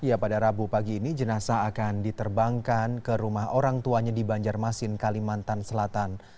ya pada rabu pagi ini jenazah akan diterbangkan ke rumah orang tuanya di banjarmasin kalimantan selatan